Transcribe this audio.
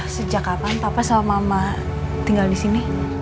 sejak kapan papa sama mama tinggal di sini